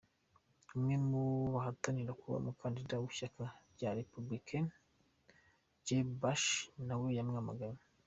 Umwe mubo bahatanira kuba umukandida w'ishyaka rya Republican, Jeb Bush, nawe yamwamaganye.